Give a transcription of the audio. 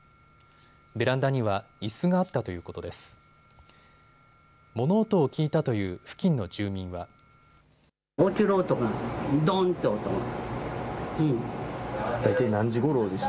ベランダにはいすがあったということです。